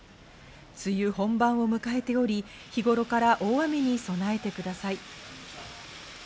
梅雨本番を迎えており、日頃から大雨に備えてください。